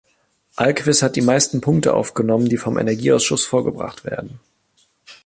Ahlqvist hat die meisten Punkte aufgenommen, die vom Energieausschuss vorgebracht werden.